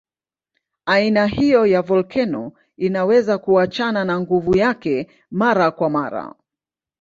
Aina hiyo ya volkeno inaweza kuachana na nguvu yake mara kwa mara.